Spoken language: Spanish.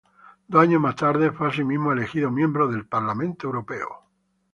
Dos años más tarde fue asimismo elegido miembro del Parlamento Europeo.